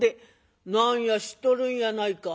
「何や知っとるんやないか。